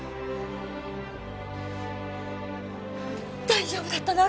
大丈夫だったの？